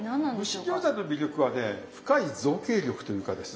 蒸し餃子の魅力はね深い造形力というかですね